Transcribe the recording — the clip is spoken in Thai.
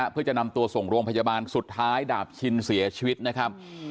เพื่อจะนำตัวส่งโรงพยาบาลสุดท้ายดาบชินเสียชีวิตนะครับ